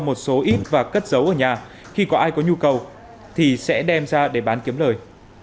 một số ít và cất giấu ở nhà khi có ai có nhu cầu thì sẽ đem ra để bán kiếm lời